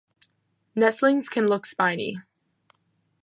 Nestlings can look spiny.